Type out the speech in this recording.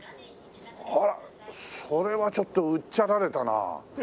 あっそれはちょっとうっちゃられたな。